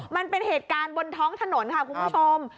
มันเป็นเหตุการณ์บนท้องถนนค่ะคุณผู้ชม